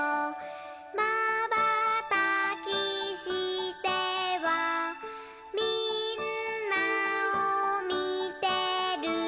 「まばたきしてはみんなをみてる」